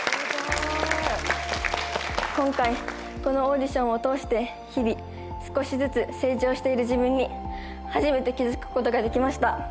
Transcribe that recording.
今回このオーディションを通して日々少しずつ成長している自分に初めて気づくことができました